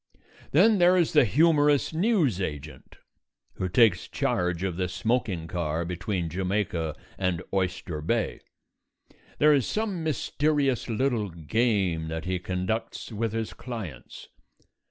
Then there is the humorous news agent who takes charge of the smoking car between Jamaica and Oyster Bay. There is some mysterious little game that he conducts with his clients.